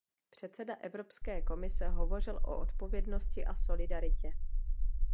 Předseda Evropské komise hovořil o odpovědnosti a solidaritě.